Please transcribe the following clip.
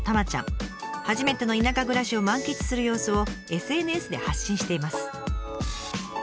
初めての田舎暮らしを満喫する様子をＳＮＳで発信しています。